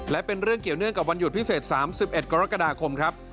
และเป็นเรื่องเกี่ยวเนื่องกับวันหยุดพิเศษ๓๑กรกฎาคมครับ